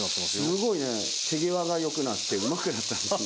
すごいね手際がよくなってうまくなったんですね。